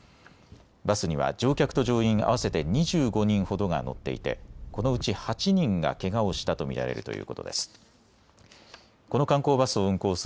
バスには乗客と乗員合わせて２５人ほどが乗っていてこのうち８人がけがをしたと見られるということです。